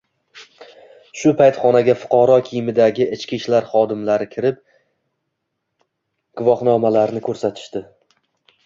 Shu payt xonaga fuqaro kiyimidagi ichki ishlar xodimlari kirib, guvoµnomalarini ko`rsatishdi